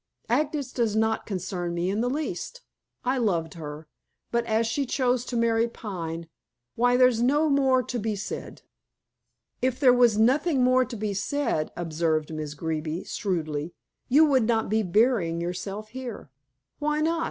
Agnes does not concern me in the least. I loved her, but as she chose to marry Pine, why there's no more to be said." "If there was nothing more to be said," observed Miss Greeby shrewdly, "you would not be burying yourself here." "Why not?